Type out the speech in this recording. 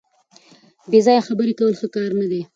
بې ځایه خبرې کول ښه کار نه دی.